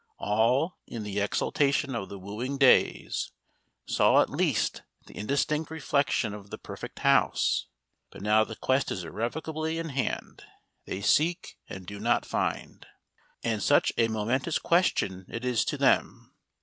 All, in the exaltation of the wooing days, saw at least the indistinct reflection of the perfect house, but now the Quest is irrevocably in hand they seek and do not find. And such a momentous question it is to them.